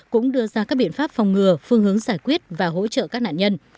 cũng đưa ra các biện pháp phòng ngừa phương hướng giải quyết và hỗ trợ các nạn nhân